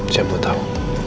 saya mau tahu